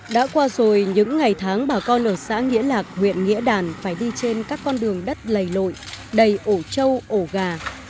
đã qua rồi những ngày tháng bà con ở xã nghĩa lạc huyện nghĩa đàn phải đi trên các con đường đất lầy lội đầy ổ trâu ổ gà